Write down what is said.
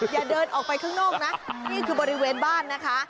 อย่าเดินออกไปข้างนอกนะนี่คือบริเวณบ้านนะคะ